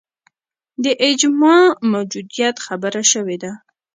د اجماع موجودیت خبره شوې ده